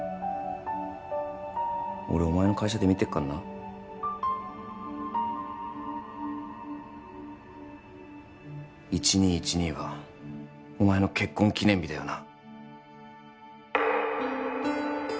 俺お前の会社で見てっかんな１２１２はお前の結婚記念日だよな？